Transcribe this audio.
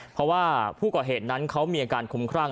เพราะว่าผู้ก่อเหตุนั้นเขามีอาการคุ้มครั่ง